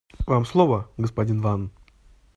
Вам слово, господин Ван.